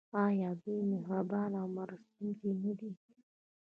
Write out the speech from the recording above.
آیا دوی مهربان او مرستندوی نه دي؟